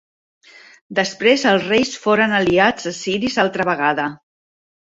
Després els reis foren aliats assiris altra vegada.